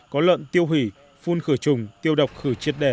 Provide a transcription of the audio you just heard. có lợn tiêu hủy phun khởi trùng tiêu độc khử triệt đẻ